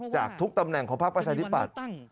จากทุกตำแหน่งของภาคประชาธิปัตย์